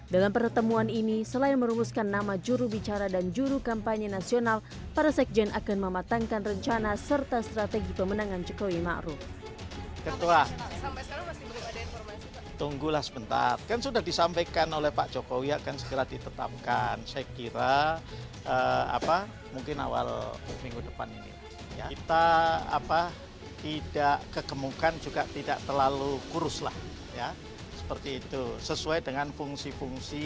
dengan pertemuan ini selain merumuskan nama juru bicara dan juru kampanye nasional para sekjen akan mematangkan rencana serta strategi pemenangan jokowi ma'ruf